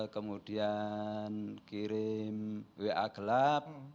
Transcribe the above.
kemudian kirim wa gelap